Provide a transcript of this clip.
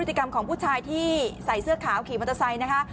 ดูพฤษกรรมของผู้ชายที่ใส่เสื้อขาวขี่มัตถาใสนะคะ